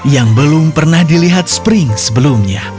yang belum pernah dilihat spring sebelumnya